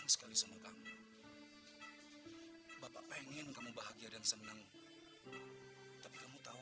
saksikan seri ipa dan ips di gtv